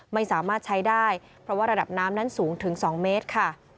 ไม่สามารถใช้ได้เพราะว่าระดับน้ำนั้นสูงถึง๒เมตรค่ะ